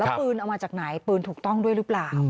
แล้วปืนเอามาจากไหนปืนถูกต้องด้วยหรือเปล่า